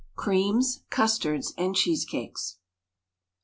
CREAMS, CUSTARDS, AND CHEESE CAKES.